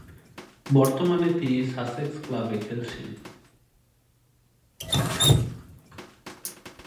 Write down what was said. বর্তমানে তিনি সাসেক্স ক্লাবে খেলছেন।